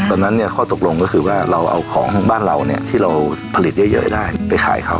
ตอนนั้นเนี่ยข้อตกลงก็คือว่าเราเอาของบ้านเราเนี่ยที่เราผลิตเยอะได้ไปขายเขา